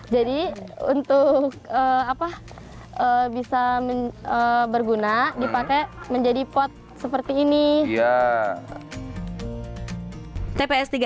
jadi untuk bisa berguna dipakai menjadi pot seperti ini